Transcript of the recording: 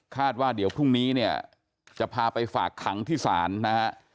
ว่าเดี๋ยวพรุ่งนี้เนี่ยจะพาไปฝากขังที่ศาลนะฮะ